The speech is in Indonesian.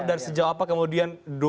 dan sejauh apa kemudian